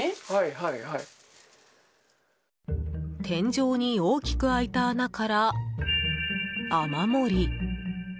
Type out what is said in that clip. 天井に大きく開いた穴から雨漏り。